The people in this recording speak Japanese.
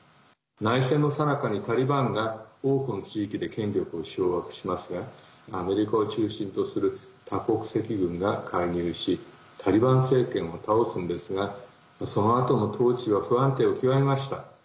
内戦のさなかに、タリバンが多くの地域で権力を掌握しますがアメリカを中心とする多国籍軍が介入しタリバン政権を倒すんですがそのあとの統治は不安定を極めました。